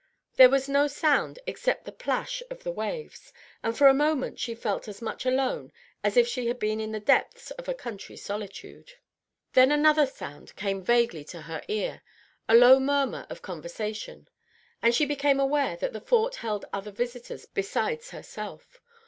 There was no sound except the plash of the waves, and for a moment she felt as much alone as if she had been in the depths of a country solitude. Then another sound came vaguely to her ear, a low murmur of conversation; and she became aware that the Fort held other visitors besides herself.